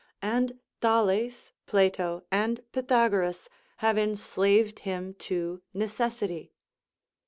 and Thales, Plato, and Pythagoras have enslaved him to necessity.